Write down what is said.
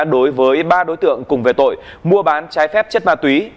đối với ba đối tượng cùng về tội mua bán trái phép chất ma túy